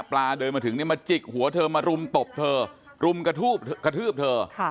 เดินมาถึงเนี่ยมาจิกหัวเธอมารุมตบเธอรุมกระทืบเธอ